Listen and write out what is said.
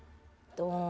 どん。